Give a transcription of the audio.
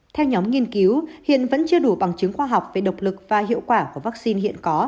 theo nhóm nghiên cứu hiện vẫn chưa đủ bằng chứng khoa học về độc lực và hiệu quả của vaccine hiện có